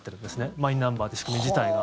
マイナンバーという仕組み自体が。